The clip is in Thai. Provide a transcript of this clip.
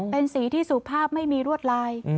เป็นสีที่สุภาพไม่มีรวดลาย